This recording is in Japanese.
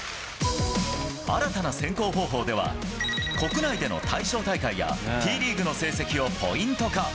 新たな選考方法では、国内での対象大会や、Ｔリーグの成績をポイント化。